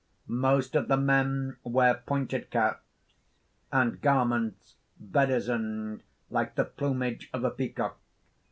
_ _Most of the men wear pointed caps, and garments bedizened like the plumage of a peacock.